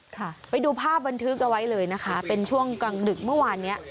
ค่ะไปดูภาพบันทึกเอาไว้เลยนะคะเป็นช่วงกลางดึกเมื่อวานเนี้ย